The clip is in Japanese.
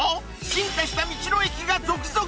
進化した道の駅が続々！